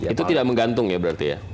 itu tidak menggantung ya berarti ya